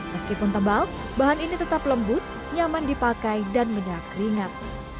meskipun tebal bahan ini tetap lembut nyaman dipakai dan menyerap keringat